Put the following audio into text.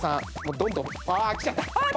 どんどんああきちゃった。